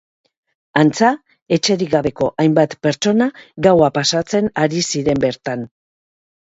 Antza, etxerik gabeko hainbat pertsona gaua pasatzen ari ziren bertan.